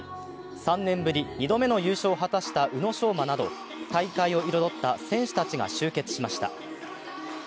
３年ぶり２度目の優勝を果たした宇野昌磨など大会を彩った選手たちが集結しました。